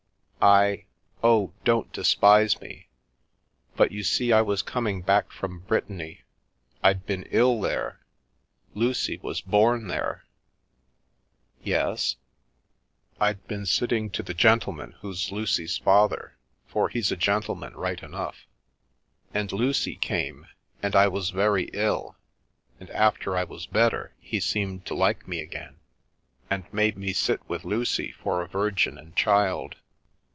I — oh, don't despfefe me. But, you see I was com ing back from Brittany— I'd been ill there. Lucy was born there." "Yes?" " I'd been sitting to the gentleman who's Lucy's father, for he's a gentleman, right enough. And Lucy came, and I was very ill, and after I was better, he seemed to like me again, and made me sit with Lucy for a Virgin and Child.